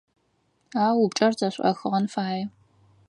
А упчIэр зэшIохыгъэн фае.